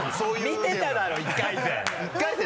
見てただろう１回戦！